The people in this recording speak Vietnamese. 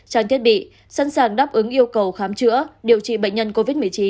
trang thiết bị sẵn sàng đáp ứng yêu cầu khám chữa điều trị bệnh nhân covid một mươi chín